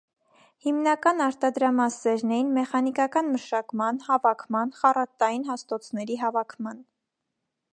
Հիմնական արտադրամասերն էին՝ մեխանիկական մշակման, հավաքման, խառատային հաստոցների հավաքման։